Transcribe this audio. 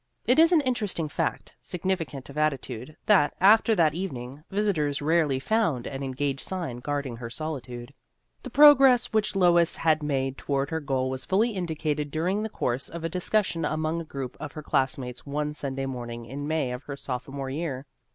It is an interesting fact, significant of attitude, that, after that evening, visitors rarely found an " En gaged " sign guarding her solitude. The progress which Lois had made to ward her goal was fully indicated during the course of a discussion among a group of her classmates one Sunday morning in May of her sophomore year.